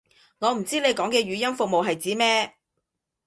我唔知你講嘅語音服務係指咩